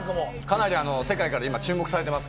世界から今注目されています。